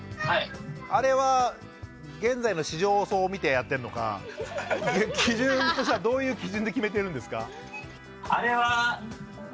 あれは現在の市場を見てやってるのか基準としてはどういう基準で決めてるんですか？